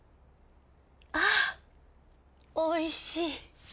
あおいしい。